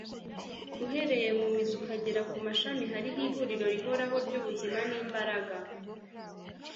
uhereye mu mizi ukagera ku mashami hariho ihuriro rihoraho ry'ubuzima n'imbaraga